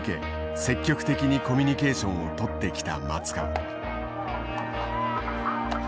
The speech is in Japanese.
積極的にコミュニケーションをとってきた松川。